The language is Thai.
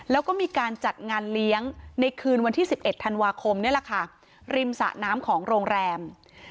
แล้วก็มีการจัดงานเลี้ยงในคืนวันที่๑๑ธันวาคมนี่แหละค่ะริมสะน้ำของโรงแรม